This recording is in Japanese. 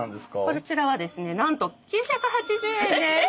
こちらがですね何と９８０円でーす！